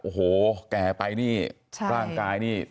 โอ้โหแก่ไปนี่ร่างกายนี่